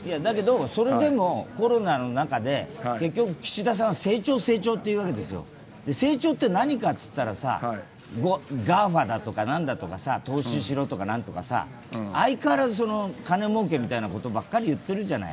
それでもコロナの中で結局、岸田さんは成長、成長と言うわけですよ、成長って何かといったらＧＡＦＡだとか、投資しろだとか、相変わらず金もうけみたいなことばかり言ってるじゃない。